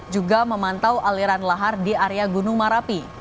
juga memantau aliran lahar di area gunung marapi